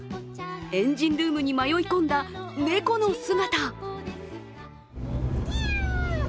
エンジンルームに迷い込んだ猫の姿。